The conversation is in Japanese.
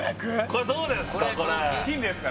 これどうですか？